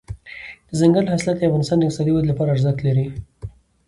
دځنګل حاصلات د افغانستان د اقتصادي ودې لپاره ارزښت لري.